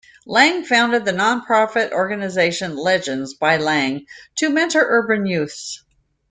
Lang founded the nonprofit organization "Legends by Lang" to mentor urban youths.